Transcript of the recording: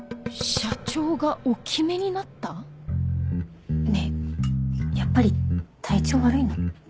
「社長がお決めになった」？ねぇやっぱり体調悪いの？